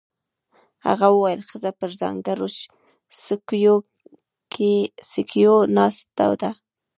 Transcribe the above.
هغه وویل ښځه پر ځانګړو څوکیو ناسته ده.